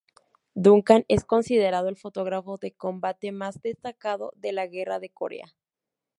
Duncan es considerado el fotógrafo de combate más destacado de la Guerra de Corea.